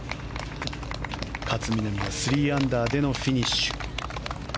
勝みなみは３アンダーでのフィニッシュ。